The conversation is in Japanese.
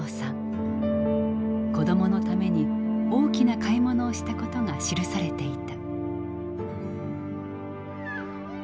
子供のために大きな買い物をしたことが記されていた。